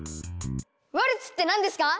ワルツって何ですか？